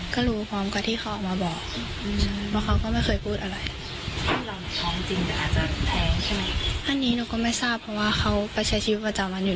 ใช่ครับไม่ได้โกรธอะไรค่ะนะคะ